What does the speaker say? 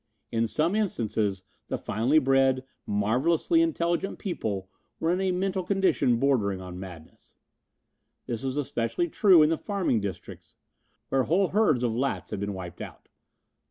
In some instances the finely bred, marvellously intelligent people were in a mental condition bordering on madness. This was especially true in the farming districts, where whole herds of lats had been wiped out.